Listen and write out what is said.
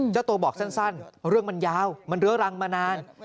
เจ้าตัวบอกสั้นเรื่องมันยาวมันเรื้อรังมานาน